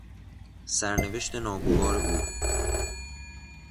سرنوشت ناگوار او